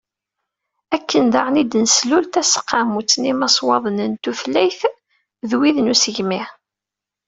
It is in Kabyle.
akken daɣen, i d-neslul taseqqamut n yimaswaḍen n tutlayt d wid n usegmi.